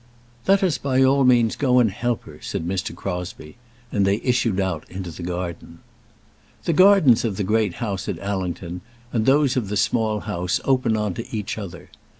"Let us by all means go and help her," said Mr. Crosbie; and then they issued out into the garden. The gardens of the Great House of Allington and those of the Small House open on to each other.